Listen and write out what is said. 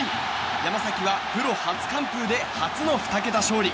山崎はプロ初完封で初の２桁勝利。